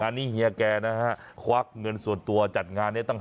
อันนี้เฮียแกนะครับควักเงินส่วนตัวจัดงานได้ตั้ง๕๐๐๐๐๐